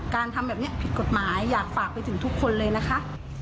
ทำแบบนี้ผิดกฎหมายอยากฝากไปถึงทุกคนเลยนะคะ